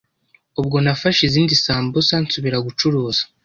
Ubwo nafashe izindi sambusa nsubira gucuruza,